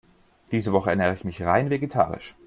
Diese Woche ernähre ich mich rein vegetarisch.